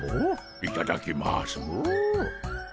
いただきますモ。